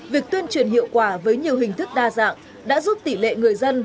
việc tuyên truyền hiệu quả với nhiều hình thức đa dạng đã giúp tỷ lệ người dân